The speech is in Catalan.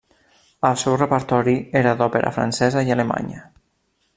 El seu repertori era d'òpera francesa i alemanya.